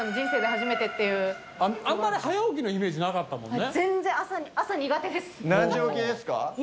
あんまり早起きのイメージなかったもんね。